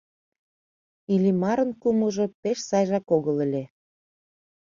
Иллимарын кумылжо пеш сайжак огыл ыле.